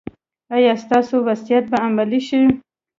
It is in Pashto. ایا ستاسو وصیت به عملي شي؟